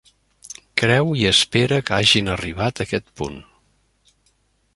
Creu i espera que hagin arribat a aquest punt.